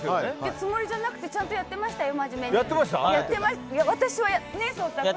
つもりじゃなくてちゃんとやってましたよ